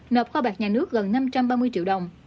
nộp kho bạc nhà nước gần năm trăm ba mươi triệu đồng